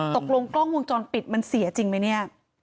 กล้องวงจรปิดมันเสียจริงไหมเนี่ย